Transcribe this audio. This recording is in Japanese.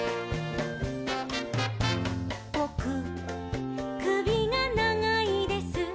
「ぼくくびがながいです」